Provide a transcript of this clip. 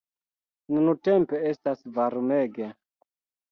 Nuntempe estas varmege.